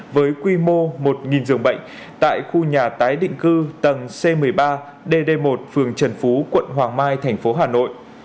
với quy mô một dường bệnh tại khu nhà tái định cư tầng c một mươi ba dd một phường trần phú quận hoàng mai tp hà nội